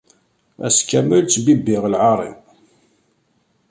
Ass kamel ttbibbiɣ lɛar-iw.